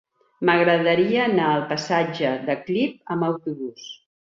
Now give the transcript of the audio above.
M'agradaria anar al passatge de Clip amb autobús.